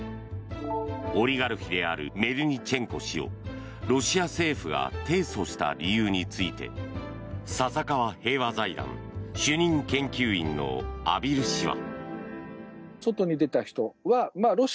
オリガルヒであるメルニチェンコ氏をロシア政府が提訴した理由について笹川平和財団主任研究員の畔蒜氏は。